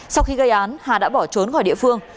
sau khi gây án hà đã bỏ trốn khỏi địa phương